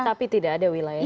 tapi tidak ada wilayahnya